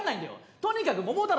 とにかく「桃太郎」